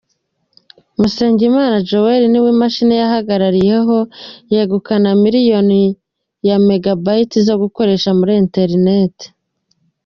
Musengimana Joel niwe imashini yahagarariyeho, yegukana miliyoni ya Megabytes zo gukoresha kuri internet.